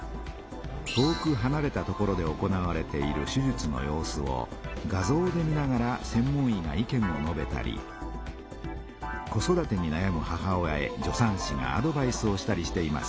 遠くはなれた所で行われている手術の様子を画ぞうで見ながらせん門医が意見をのべたり子育てになやむ母親へ助産師がアドバイスをしたりしています。